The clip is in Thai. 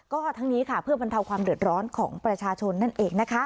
ก็ทั้งนี้ค่ะเพื่อบรรเทาความเดือดร้อนของประชาชนนั่นเองนะคะ